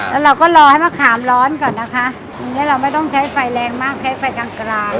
แล้วเราก็รอให้มะขามร้อนก่อนนะคะทีนี้เราไม่ต้องใช้ไฟแรงมากใช้ไฟกลางกลาง